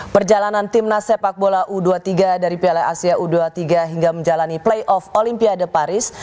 perjalanan timnas sepak bola u dua puluh tiga dari piala asia u dua puluh tiga hingga menjalani playoff olimpiade paris